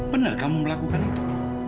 benar kamu melakukan itu